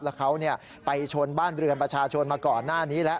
แล้วเขาไปชนบ้านเรือนประชาชนมาก่อนหน้านี้แล้ว